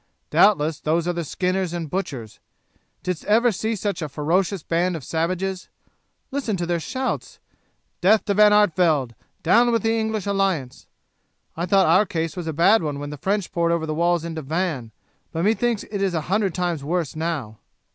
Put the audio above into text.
Doubtless those are the skinners and butchers. Didst ever see such a ferocious band of savages? Listen to their shouts. Death to Van Artevelde! Down with the English alliance! I thought our case was a bad one when the French poured over the walls into Vannes but methinks it is a hundred times worse now.